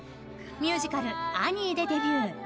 ミュージカル「アニー」でデビュー。